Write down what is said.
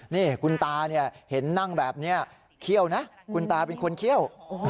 นี่คุณตาเห็นนั่งแบบนี้เคี่ยวนะคุณตาเป็นคนเคี่ยว